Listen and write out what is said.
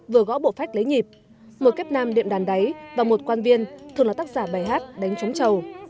vừa gõ bộ phách lấy nhịp một kép nam điệm đàn đáy và một quan viên thường là tác giả bài hát đánh chống chầu